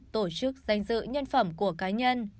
tổ chức danh dự nhân phẩm của cá nhân